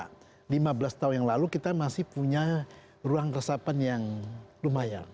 karena lima belas tahun yang lalu kita masih punya ruang resapan yang lumayan